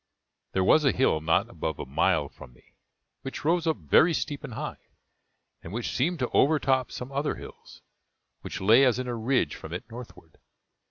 There was a hill not above a mile from me, which rose up very steep and high, and which seemed to overtop some other hills, which lay as in a ridge from it northward.